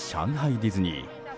ディズニー。